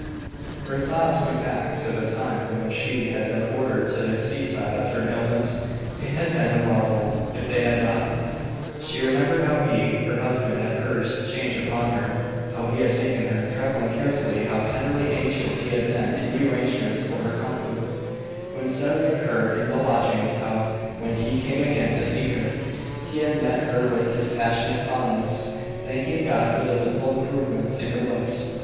Her thoughts went back to the time when she had been ordered to the seaside after an illness. It had been a marvel if they had not. She remembered how he, her husband, had urged the change upon her; how he had taken her, traveling carefully; how tenderly anxious he had been in the arrangements for her comfort, when settling her in the lodgings; how, when he came again to see her, he had met her with his passionate fondness, thanking God for the visible improvement in her looks.